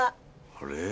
あれ？